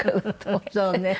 そうね。